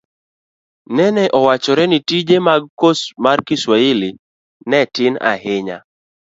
nene owachre ni tije mag kos mar kiswahili ne tin ahinya.